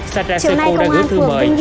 sa trang sê cô đã gửi thư mời